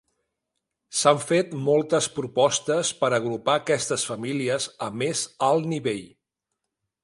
S'han fet moltes propostes per agrupar aquestes famílies a més alt nivell.